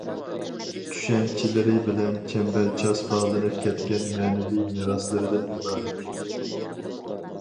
چۈشەنچىلىرى بىلەن چەمبەرچاس باغلىنىپ كەتكەن مەنىۋى مىراسلىرىدىن ئىبارەت.